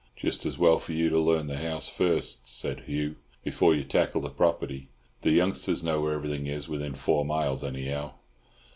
"Just as well for you to learn the house first," said Hugh, "before you tackle the property. The youngsters know where everything is—within four miles, anyhow."